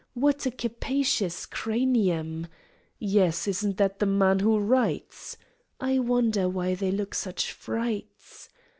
"What a capacious cranium!" "Yes; isn't that the man who writes?" "I wonder why they look such frights!"